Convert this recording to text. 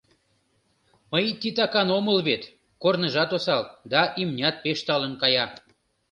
Мый титакан омыл вет, корныжат осал, да имнят пеш талын кая...